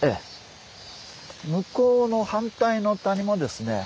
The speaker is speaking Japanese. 向こうの反対の谷もですね